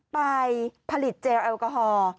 ไปผลิตเจลแอลกอฮอล์